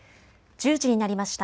１０時になりました。